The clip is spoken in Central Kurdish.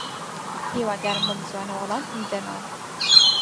هیوادارم بەم زووانە وەڵامم بدەنەوە.